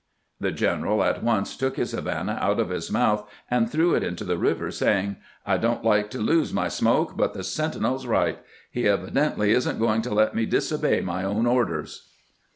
The general at once took his Havana out of his mouth and threw it into the river, saying :" I don't like to lose my smoke, but the sentinel 's right. He evidently is n't going to let me disobey my own orders."